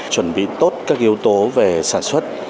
chuẩn bị tốt các yếu tố về sản xuất